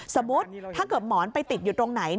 สมมุติถ้าเกิดหมอนไปติดอยู่ตรงไหน